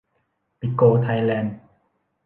ปิโก ไทยแลนด์